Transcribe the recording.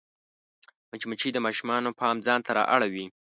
مچمچۍ د ماشومانو پام ځان ته رااړوي